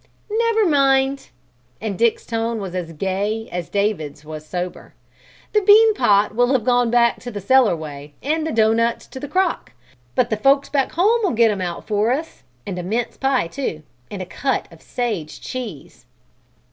"Never mind!" And Dick's tone was as gay as David's was sober. "The bean pot will have gone back to the cellarway and the doughnuts to the crock, but the 'folks back home' 'll get 'em out for us, and a mince pie, too, and a cut of sage cheese."